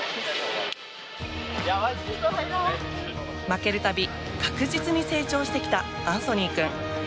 負ける度、確実に成長してきたアンソニー君。